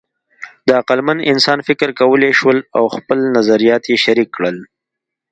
د عقلمن انسانان فکر کولی شول او خپل نظریات یې شریک کړل.